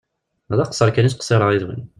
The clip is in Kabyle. D aqesser kan i ttqessireɣ yid-wen.